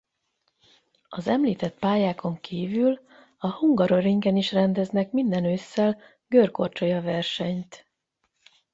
Az említett pályákon kívül a Hungaroringen is rendeznek minden ősszel görkorcsolya-versenyt.